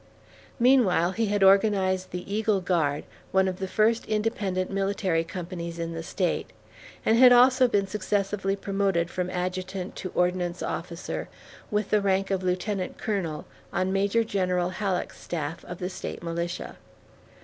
Meanwhile he had organized the Eagle Guard, one of the first independent military companies in the State, and had also been successively promoted from adjutant to ordnance officer, with the rank of lieutenant colonel, on Major General Halleck's staff of the State Militia.